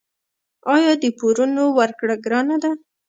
آیا د پورونو ورکړه ګرانه ده؟